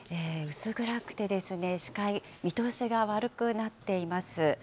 薄暗くて、視界、見通しが悪くなっています。